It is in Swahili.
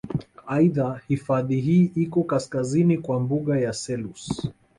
Aidha hifadhi hii iko kaskazini kwa mbuga ya Selous